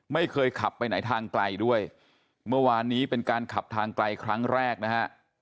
ไม่เคยขับไปไหนทางไกลด้วยเมื่อวานนี้เป็นการขับทางไกลครั้งแรกนะฮะ